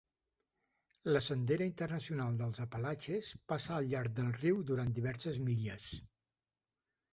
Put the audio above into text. La sendera internacional dels Apalatxes passa al llarg del riu durant diverses milles.